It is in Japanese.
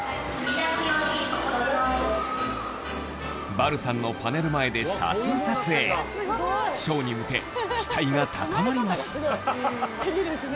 バルさんのパネル前で写真撮影ショーに向け期待が高まります